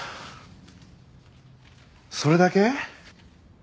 それだけ？